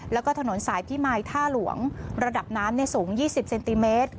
แล้วก็ถนนสายพี่ไมค์ท่าหลวงระดับน้ำในสูงยี่สิบเซนติเมตร